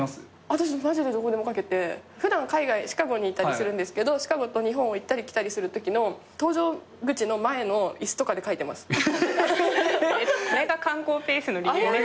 私マジでどこでも書けて普段海外シカゴにいたりするんですけどシカゴと日本を行ったり来たりするときの搭乗口の前の椅子とかで書いてます。え！？これが刊行ペースの理由ですよね。